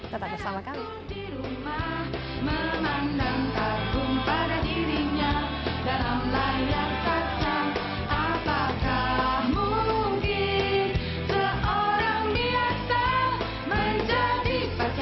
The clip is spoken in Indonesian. tetap bersama kami